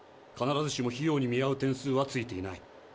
必ずしも費用に見合う点数は付いていない。